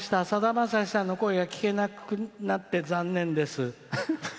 さだまさしさんの英語が聞けなくなって残念です」。